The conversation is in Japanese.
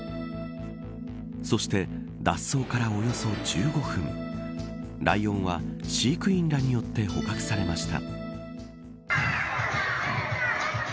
そして脱走からおよそ１５分ライオンは飼育員らによって捕獲されました。